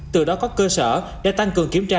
từ đó có cơ sở để tăng cường kiểm tra